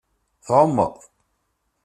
Tɛumeḍ.